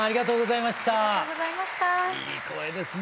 いい声ですね。